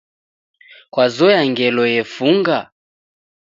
Kwazoya ngelo yefunga?